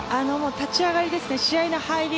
立ち上がりですね、試合の入り。